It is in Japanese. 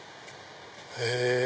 へぇ！